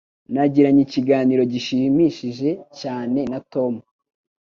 Nagiranye ikiganiro gishimishije cyane na Tom.